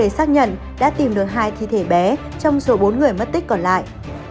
xác nhận đã tìm được hai thi thể bé trong số bốn người mất tích còn lại